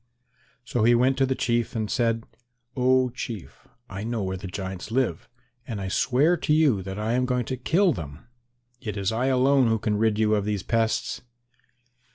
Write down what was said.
So he went to the Chief and said, "Oh, Chief, I know where the giants live and I swear to you that I am going to kill them. It is I alone who can rid you of these pests."